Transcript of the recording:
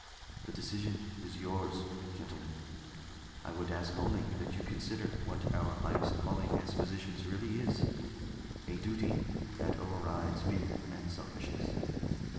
"The decision is yours, gentlemen, I would ask only that you consider what our highest calling as physicians really is a duty that overrides fear and selfishness.